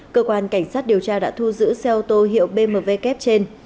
cơ quan cảnh sát điều tra đã thu giữ xe ô tô hiệu bmw kép trên